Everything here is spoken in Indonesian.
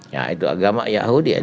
ya itu agama yahudi